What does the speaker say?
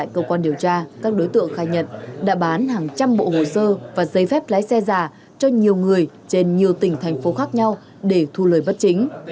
cơ quan điều tra các đối tượng khai nhận đã bán hàng trăm bộ hồ sơ và giấy phép lái xe giả cho nhiều người trên nhiều tỉnh thành phố khác nhau để thu lời bất chính